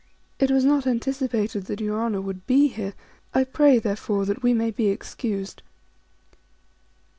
It was not anticipated that Your Honour would be here. I pray, therefore, that we may be ex cused."